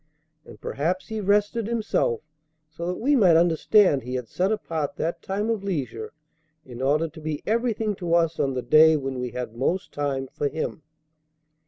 And perhaps He rested Himself so that we might understand He had set apart that time of leisure in order to be everything to us on the day when we had most time for Him.